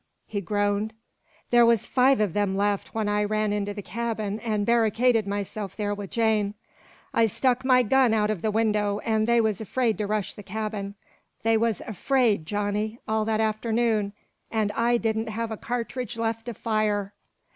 he groaned. "There was five of them left when I ran into the cabin an' barricaded myself there with Jane. I stuck my gun out of the window an' they was afraid to rush the cabin. They was afraid, Johnny, all that afternoon _an' I didn't have a cartridge left to fire!